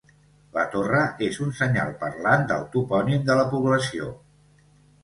La torre és un senyal parlant del topònim de la població.